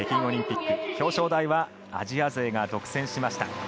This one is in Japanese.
オリンピック表彰台はアジア勢が独占しました。